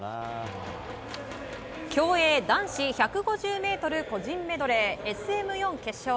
競泳男子１５０ｍ個人メドレーＳＭ４決勝。